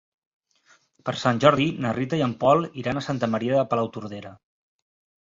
Per Sant Jordi na Rita i en Pol iran a Santa Maria de Palautordera.